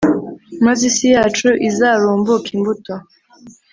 maze isi yacu izarumbuke imbuto